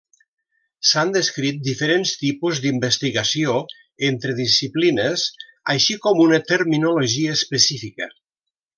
S'han descrit diferents tipus d'investigació entre disciplines, així com una terminologia específica.